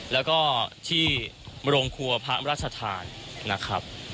แล้วก็ที่โรงครัวพระราชทานนะครับ